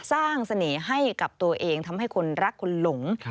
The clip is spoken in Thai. เสน่ห์ให้กับตัวเองทำให้คนรักคนหลง